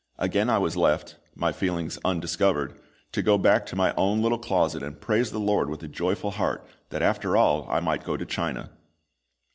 Again I was left my feelings undiscovered to go back to my own little closet and praise the LORD with a joyful heart that after all I might go to China.